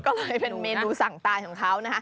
ก็เลยเป็นเมนูสั่งตายของเขานะฮะ